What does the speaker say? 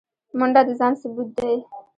منډه د ځان ثبوت دی